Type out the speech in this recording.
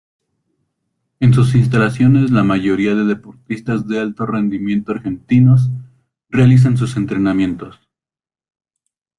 En sus instalaciones la mayoría de deportistas de alto rendimiento argentinos realizan sus entrenamientos.